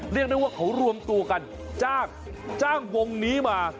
เรียกได้ว่าเขารวมตัวกันจ้างจ้างวงนี้มา